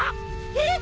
えっ！？